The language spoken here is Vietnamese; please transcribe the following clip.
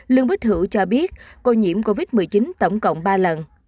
lương bích hữu cho biết cô nhiễm covid một mươi chín tổng cộng ba lần